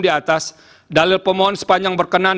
di atas dalil pemohon sepanjang berkenan